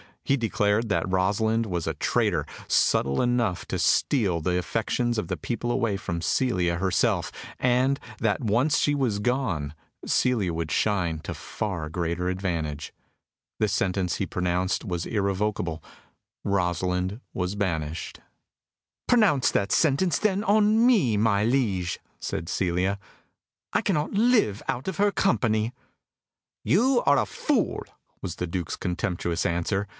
He declared that Rosalind was a traitor, subtle enough to steal the affections of the people away from Celia herself, and that once she was gone Celia would shine to far greater advantage. The sentence he pronounced was irrevocable. Rosalind was banished. "Pronounce that sentence, then, on me, my liege," said Celia. "I cannot live out of her company." "You are a fool!" was the Duke's contemptuous answer.